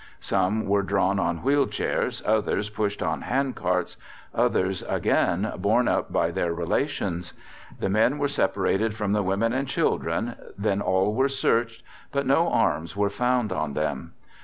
Some were drawn on wheel chairs, others pushed on hand carts, others, again, borne up by their relations. The men were separated from the women and children, then all were searched, but no arms were found on them.